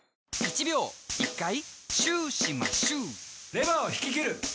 「１秒１回シューしまシュー」レバーを引き切る！